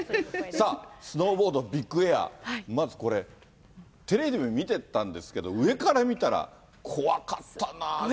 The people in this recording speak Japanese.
スノーボードビッグエア、まずこれ、テレビでも見てたんですけども、上から見たら、怖かったなぁ。